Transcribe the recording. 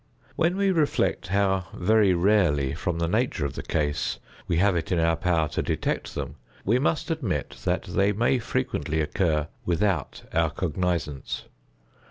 When we reflect how very rarely, from the nature of the case, we have it in our power to detect them, we must admit that they may frequently occur without our cognizance.